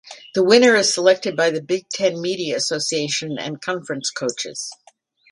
The winner is selected by the Big Ten media association and conference coaches.